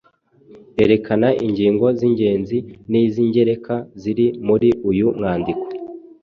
Erekana ingingo z’ingenzi n’iz’ingereka ziri muri uyu mwandiko.